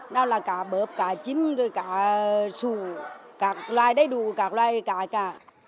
nó là cá bớp cá chín rồi cá sù các loài đầy đủ các loài cá cả